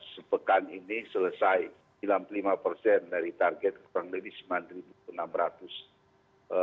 sepekan ini selesai sembilan puluh lima persen dari target kurang lebih sembilan enam ratus orang